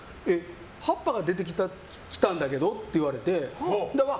葉っぱが出てきたんだけどって言われて。